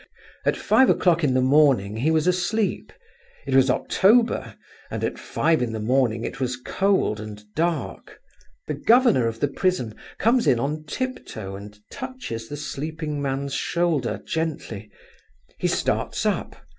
At five o'clock in the morning he was asleep—it was October, and at five in the morning it was cold and dark. The governor of the prison comes in on tip toe and touches the sleeping man's shoulder gently. He starts up.